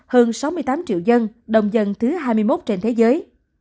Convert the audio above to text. hơn sáu mươi tám triệu dân đông dân thứ hai mươi một trên thế giới